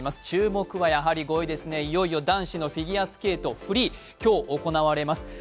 注目は５位ですね、いよいよ男子のフィギュアスケート、フリー今日、行われます。